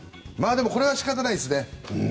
これは仕方ないですね。